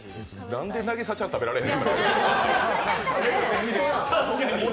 なんでなぎさちゃん、食べられへん。